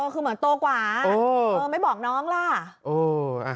คือเหมือนโตกว่าไม่บอกน้องล่ะ